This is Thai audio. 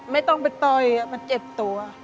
ไม่ต้องไปต่อยมันเจ็บตัว